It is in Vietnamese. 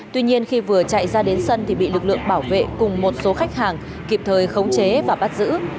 tuy nhiên khi vừa chạy ra đến sân thì bị lực lượng bảo vệ cùng một số khách hàng kịp thời khống chế và bắt giữ